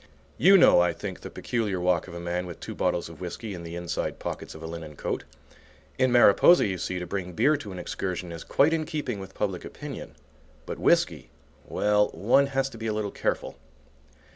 You know, I think, the peculiar walk of a man with two bottles of whiskey in the inside pockets of a linen coat. In Mariposa, you see, to bring beer to an excursion is quite in keeping with public opinion. But, whiskey, well, one has to be a little careful.